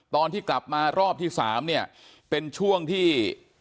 ตอนที่กลับมารอบที่๓เนี่ยเป็นช่วงที่